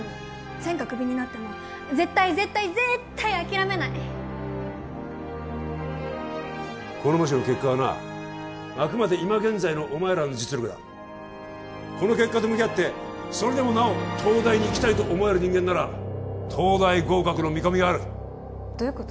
専科クビになっても絶対絶対ぜーったい諦めないこの模試の結果はなあくまで今現在のお前らの実力だこの結果と向き合ってそれでもなお東大に行きたいと思える人間なら東大合格の見込みがあるどういうこと？